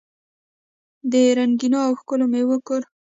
د رنګینو او ښکلو میوو کور.